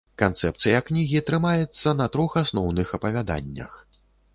Канцэпцыя кнігі трымаецца на трох асноўных апавяданнях.